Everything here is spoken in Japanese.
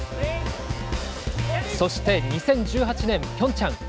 そして、２０１８年ピョンチャン。